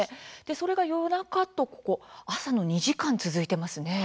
それが夜中と、ここ朝の２時間続いてますね。